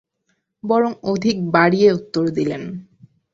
বরং অধিক বাড়িয়ে উত্তর দিলেন।